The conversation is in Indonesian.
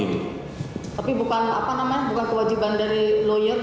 tapi bukan apa namanya bukan kewajiban dari lawyer